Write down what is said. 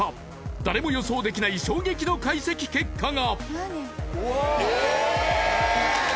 誰も予想できない衝撃の解析結果が！